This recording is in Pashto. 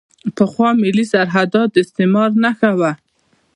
پخوا ملي سرحدات د استعمار نښه وو.